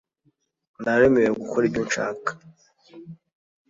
naremewe gukora ibyo nshaka